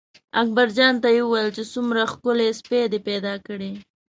اکبرجان ته یې وویل چې څومره ښکلی سپی دې پیدا کړی.